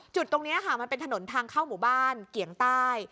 จุดตรงนี้ค่ะมันเป็นถนนทางเข้าหมู่บ้านเกียงใต้